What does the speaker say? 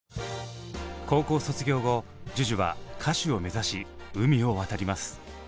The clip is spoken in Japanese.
高校卒業後ＪＵＪＵは歌手を目指し海を渡ります。